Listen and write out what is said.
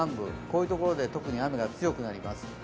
こういうところで特に雨が強くなります。